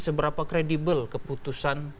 seberapa kredibel keputusan